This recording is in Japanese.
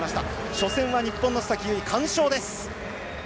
初戦は日本の須崎優衣完勝です。